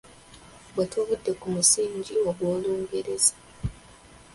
Bwe tuvudde ku musingi gwa Olungereza.